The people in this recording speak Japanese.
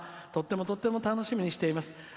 とってもとっても楽しみにしています。